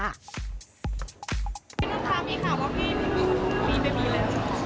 เมื่อก่อนข้ามีข่าวว่าพี่มีเบบีแล้ว